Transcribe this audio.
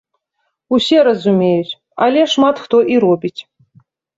Усе разумеюць, але шмат хто і робіць.